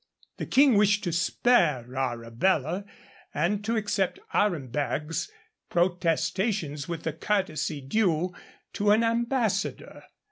The King wished to spare Arabella, and to accept Aremberg's protestations with the courtesy due to an ambassador.